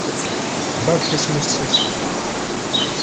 Beṛka asmusses!